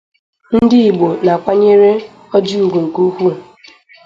Ndị Igbo na-akwanyere Oji ugwu nke ukwuu.